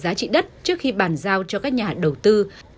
giá trị đất trước khi bàn giao cho các nhà đầu tư